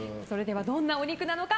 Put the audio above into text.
どんなお肉なのか？